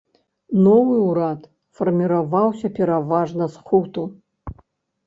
Новы ўрад фарміраваўся пераважна з хуту.